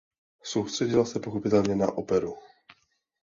Soustředila se pochopitelně na operu.